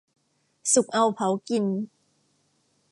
สุกเอาเผากิน